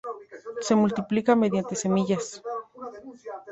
Se multiplica mediante semillas.